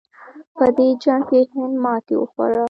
په دې جنګ کې هند ماتې وخوړه.